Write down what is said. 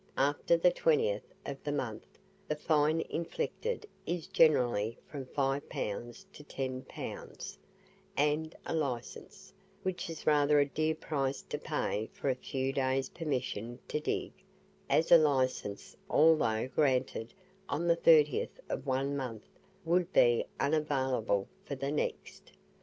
After the 20th of the month, the fine inflicted is generally from 5 pounds to 10 pounds and a licence, which is rather a dear price to pay for a few days' permission to dig, as a licence, although granted on the 30th of one month, would be unavailable for the next.